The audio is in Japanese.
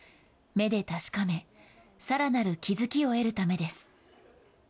目で確かめ、さらなる気づきを得るためです。